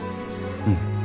うん。